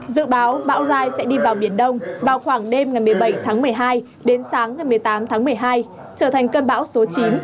dự báo bão rai sẽ đi vào biển đông vào khoảng đêm ngày một mươi bảy tháng một mươi hai đến sáng ngày một mươi tám tháng một mươi hai trở thành cơn bão số chín